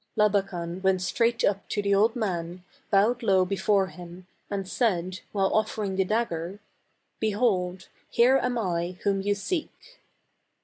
Labakan went straight up to the old man, bowed low before him and said, while offering the dagger, " Behold, here am I whom you seek